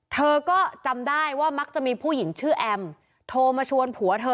เธอก็จำได้ว่ามักจะมีผู้หญิงชื่อแอมโทรมาชวนผัวเธอ